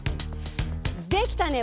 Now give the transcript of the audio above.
「できたね！」